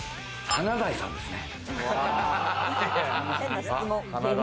華大さんですね。